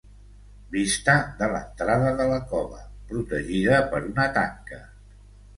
Vista de l'entrada de la Cova, protegida per una tanca.